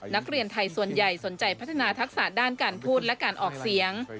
นักเรียนไทยส่วนใหญ่สนใจพัฒนาทักษะด้านการพูดและการออกเสียง